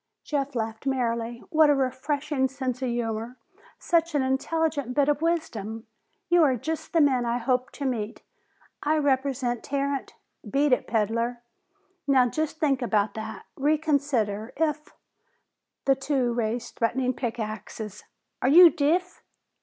Jeff laughed merrily. "What a refreshing sense of humor! Such an intelligent bit of wisdom! You are just the men I hoped to meet! I represent Tarrant " "Beat it, peddler." "Now just think about that! Reconsider! If " The two raised threatening pick axes. "Are you deef?"